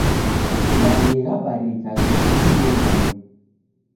Maghi ghabarika ghiko kijungunyi.